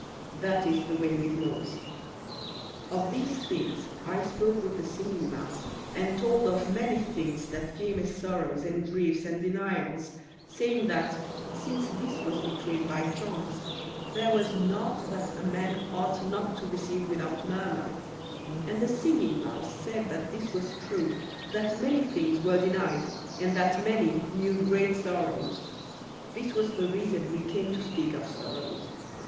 That is the way with most. Of these things I spoke with the Singing Mouse, and told of many things that came as sorrows and griefs and denials, saying that, since this was decreed by chance, there was naught that a man ought not to receive without murmur; and the Singing Mouse said that this was true, that many things were denied, and that many knew great sorrows. This was the reason we came to speak of sorrows.